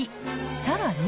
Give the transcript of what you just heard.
さらに。